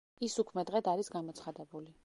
ის უქმე დღედ არის გამოცხადებული.